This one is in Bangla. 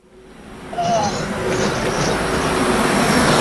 এতে সভাপতিত্ব করেন বাংলাদেশ নদী বাঁচাও আন্দোলন গাজীপুর শাখার সভাপতি সিরাজুল ইসলাম।